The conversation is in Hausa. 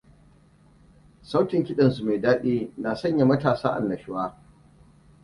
Sautin kiɗansu me daɗi na sanya matasa annashuwa.